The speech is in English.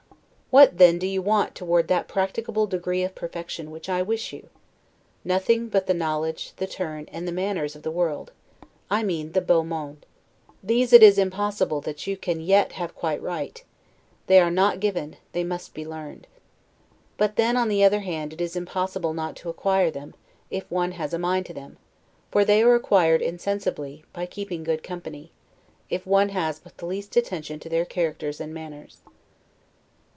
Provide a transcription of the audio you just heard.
What, then, do you want toward that practicable degree of perfection which I wish you? Nothing but the knowledge, the turn, and the manners of the world; I mean the 'beau monde'. These it is impossible that you can yet have quite right; they are not given, they must be learned. But then, on the other hand, it is impossible not to acquire them, if one has a mind to them; for they are acquired insensibly, by keeping good company, if one has but the least attention to their characters and manners.